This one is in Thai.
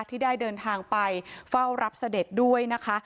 ที่ได้เดินทางไปเฝ้ารับเสด็จด้วยนะคะ